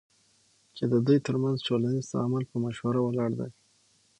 چی ددوی ترمنځ ټولنیز تعامل په مشوره ولاړ دی،